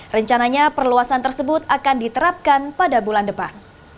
rencananya perluasan tersebut akan diterapkan pada bulan depan